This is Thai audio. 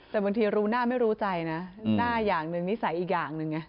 แต่บางทีรู้หน้าไม่รู้ใจนะหน้าอย่างหนึ่งนิสัยอีกอย่างหนึ่งไง